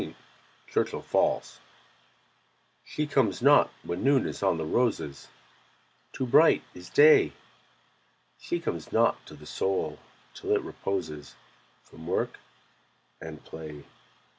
Y Z She Comes Not She comes not when Noon is on the roses Too bright is Day. She comes not to the Soul till it reposes From work and play.